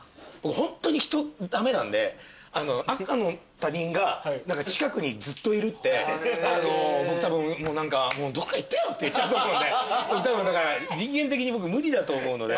ホントに人駄目なんで赤の他人が近くにずっといるって僕たぶんどっかいってよって言っちゃうと思うんでたぶんだから人間的に僕無理だと思うので。